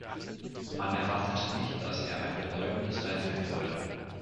Man erwartete nicht, dass er ein bedeutendes Rennpferd wurde.